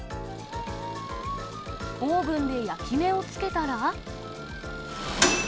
オーブンで焼き目をつけたら。